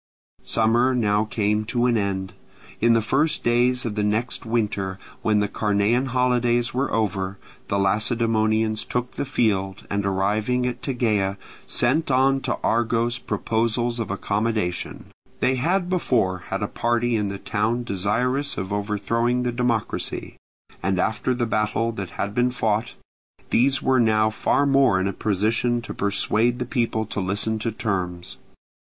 Summer now came to an end. In the first days of the next winter, when the Carnean holidays were over, the Lacedaemonians took the field, and arriving at Tegea sent on to Argos proposals of accommodation. They had before had a party in the town desirous of overthrowing the democracy; and after the battle that had been fought, these were now far more in a position to persuade the people to listen to terms.